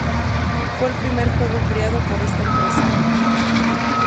Fue el primer juego creado por esta empresa.